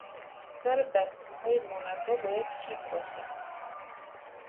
سر بستوهای مربا باید کیپ باشد.